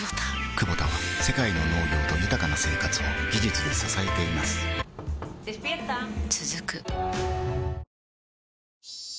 クボタは世界の農業と豊かな生活を技術で支えています起きて。